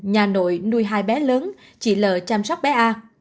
nhà nội nuôi hai bé lớn chị l chăm sóc bé a